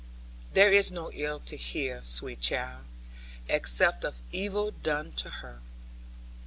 'There is no ill to hear, sweet child, except of evil done to her.